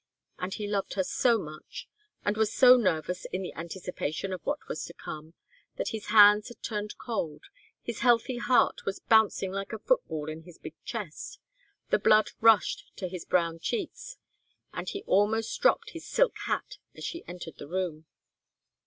And he loved her so much, and was so nervous in the anticipation of what was to come, that his hands had turned cold, his healthy heart was bouncing like a football in his big chest, the blood rushed to his brown cheeks, and he almost dropped his silk hat as she entered the room.